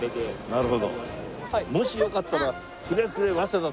なるほど。